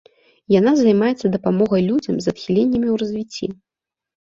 Яна займаецца дапамогай людзям з адхіленнямі ў развіцці.